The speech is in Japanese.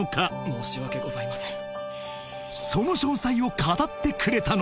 申し訳ございません